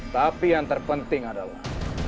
tapi yang terpenting adalah